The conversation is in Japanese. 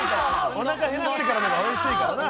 おなか減らしてからの方がおいしいからな。